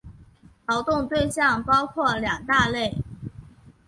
劳动对象包括两大类。